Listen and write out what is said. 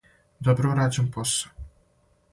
Добро урађен посао!